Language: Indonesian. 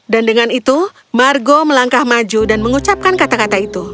dan dengan itu margo melangkah maju dan mengucapkan kata kata itu